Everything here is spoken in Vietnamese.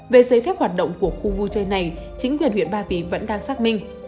về giấy phép hoạt động của khu vui chơi này chính quyền huyện ba vì vẫn đang xác minh